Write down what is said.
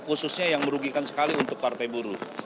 khususnya yang merugikan sekali untuk partai buruh